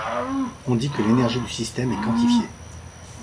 On dit que l'énergie du système est quantifiée.